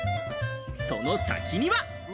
その先には。